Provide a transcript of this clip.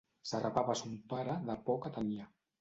S'arrapava a son pare de por que tenia.